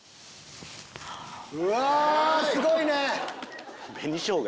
うわすごいね！